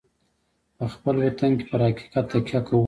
په خپل وطن کې پر حقیقت تکیه کوو.